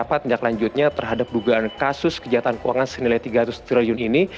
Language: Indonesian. berarti apa tindaklanjutnya terhadap dugaan kasus kejahatan keuangan senilai tiga ratus triliun ini